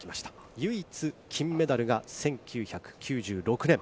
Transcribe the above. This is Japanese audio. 唯一金メダルが１９９６年。